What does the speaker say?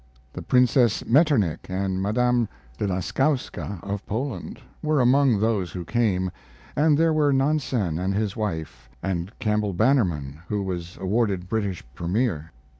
The Princess Metternich, and Madame de Laschowska, of Poland, were among those who came, and there were Nansen and his wife, and Campbell Bannerman, who was afterward British Premier.